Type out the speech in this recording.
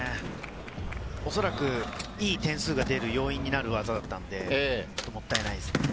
おそらく、いい点数が出る要因になる技だったんで、もったいないですね。